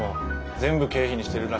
全部経費にしてるらしくて。